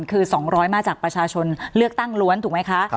คือ๒๐๐มาจากประชาชนเลือกตั้งล้วนถูกไหมคะ